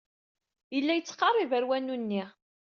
Yella yettqerrib ɣer wanu-nni.